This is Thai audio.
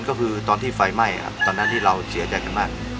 ก็คือตอนที่ไฟไหม้ครับตอนนั้นที่เราเสียใจกันมาก